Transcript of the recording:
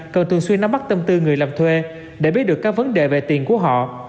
cần thường xuyên nắm bắt tâm tư người làm thuê để biết được các vấn đề về tiền của họ